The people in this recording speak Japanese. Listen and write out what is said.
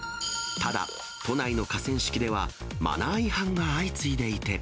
ただ、都内の河川敷では、マナー違反が相次いでいて。